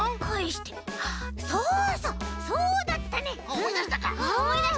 おもいだした！